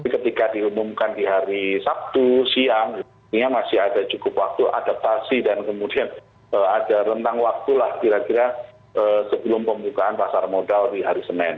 ketika diumumkan di hari sabtu siang masih ada cukup waktu adaptasi dan kemudian ada rentang waktulah kira kira sebelum pembukaan pasar modal di hari senin